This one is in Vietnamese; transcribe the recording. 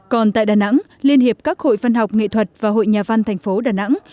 còn tại đà nẵng liên hiệp các hội văn học nghệ thuật và hội nhà văn thành phố đà nẵng